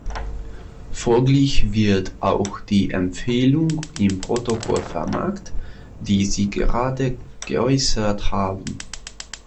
Folglich wird auch die Empfehlung im Protokoll vermerkt, die Sie gerade geäußert haben.